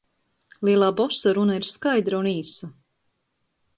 Lielā bosa runa ir skaidra un īsa.